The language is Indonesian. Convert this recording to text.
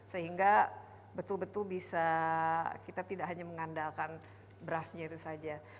sehingga betul betul bisa kita tidak hanya mengandalkan berasnya itu saja